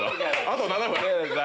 あと７分。